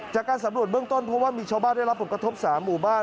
จากการสำรวจเบื้องต้นเพราะว่ามีชาวบ้านได้รับผลกระทบ๓หมู่บ้าน